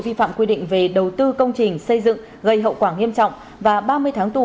vi phạm quy định về đầu tư công trình xây dựng gây hậu quả nghiêm trọng và ba mươi tháng tù